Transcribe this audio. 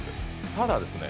ただですね